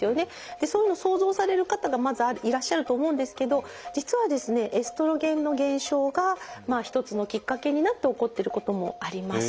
そういうの想像される方がまずいらっしゃると思うんですけど実はですねエストロゲンの減少が一つのきっかけになって起こってることもあります。